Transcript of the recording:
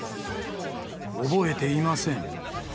覚えていません。